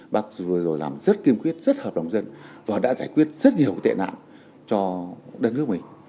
bác vừa rồi làm rất kiên quyết rất hợp đồng dân và đã giải quyết rất nhiều tệ nạn cho đất nước mình